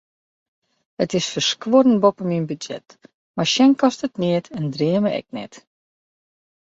It is ferskuorrend boppe myn budzjet, mar sjen kostet neat en dreame ek net.